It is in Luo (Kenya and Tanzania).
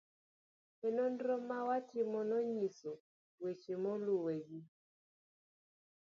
e Nonro ma ne watimo nonyiso weche maluwegi